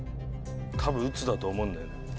多分「打つ」だと思うんだよ。